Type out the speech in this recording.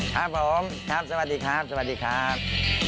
ครับผมครับสวัสดีครับสวัสดีครับ